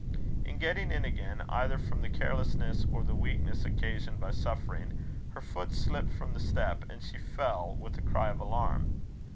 In getting in again, either from the carelessness or the weakness occasioned by suffering, her foot slipped from the step, and she fell with a cry of alarm.